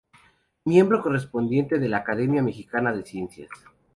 Miembro correspondiente de la Academia Mexicana de Ciencias.